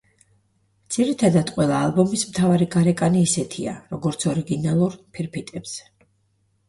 ძირითადად, ყველა ალბომის მთავარი გარეკანი ისეთია, როგორც ორიგინალურ ფირფიტებზე.